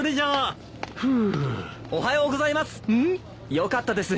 よかったです